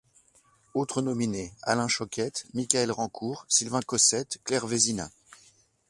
Autres nominés: Alain Choquette, Michaël Rancourt, Sylvain Cossette, Claire Vézina.